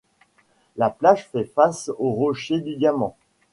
La plage fait face au rocher du Diamant.